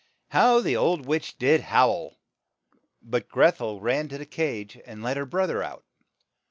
How the old witch did howl ! But Greth el ran to the cage and let her broth er out.